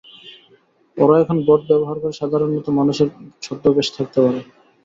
ওরা এখন বট ব্যবহার করে সাধারণ মানুষের ছদ্মবেশে থাকতে পারে।